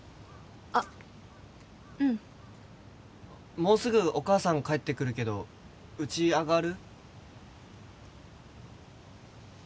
あっうんもうすぐお母さん帰ってくるけどうち上がる？